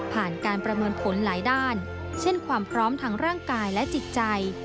ผ่านการประเมินผลหลายด้านเช่นความพร้อมทางร่างกายและจิตใจ